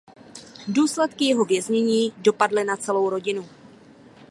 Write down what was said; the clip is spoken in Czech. Důsledky jeho věznění dopadly na celou rodinu.